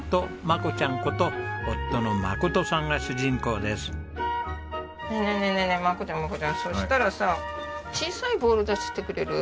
マコちゃんマコちゃんそしたらさ小さいボウル出してくれる？